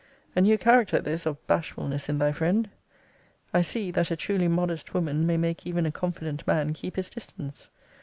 A new character this of bashfulness in thy friend. I see, that a truly modest woman may make even a confident man keep his distance.